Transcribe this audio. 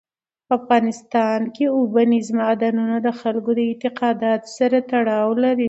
په افغانستان کې اوبزین معدنونه د خلکو د اعتقاداتو سره تړاو لري.